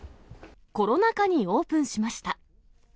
コロナ禍にオープンしました。